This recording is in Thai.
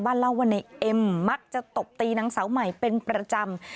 เล่าว่าในเอ็มมักจะตบตีนางสาวใหม่เป็นประจำ